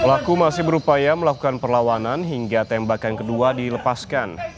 pelaku masih berupaya melakukan perlawanan hingga tembakan kedua dilepaskan